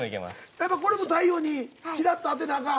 やっぱりこれも太陽にチラッと当てなあかん？